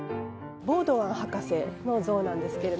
ボードワン博士の像なんですけれども。